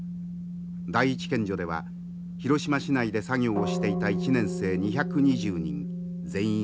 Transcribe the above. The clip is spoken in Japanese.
第一県女では広島市内で作業をしていた１年生２２０人全員が亡くなりました。